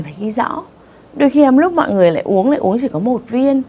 phải ghi rõ đôi khi lúc mọi người lại uống lại uống chỉ có một viên